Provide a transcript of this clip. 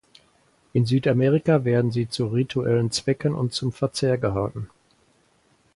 In Südamerika werden sie zu rituellen Zwecken und zum Verzehr gehalten.